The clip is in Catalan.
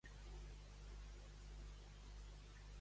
Quins abats obtingué més endavant?